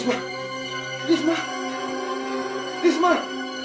cuma dopum terus memang